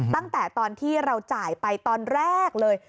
ตั้งแต่ตอนที่เราจ่ายไปตอนแรกเลย